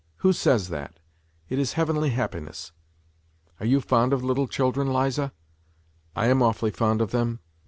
Who says that ? It is heavenly happiness ! Are you fond of little children, Liza ? I am awfully fond of them.